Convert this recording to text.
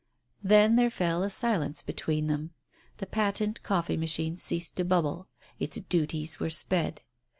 Then there fell a silence between them. The patent coffee machine ceased to bubble. Its duties were sped.